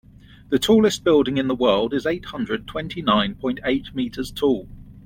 The tallest building in the world is eight hundred twenty nine point eight meters tall.